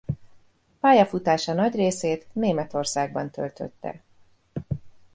Pályafutása nagy részét Németországban töltötte.